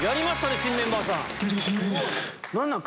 新メンバーさん。